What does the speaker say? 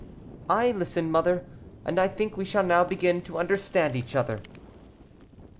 "I listen, mother, and I think we shall now begin to understand each other."